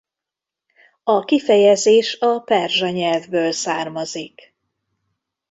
A kifejezés a perzsa nyelvből származik.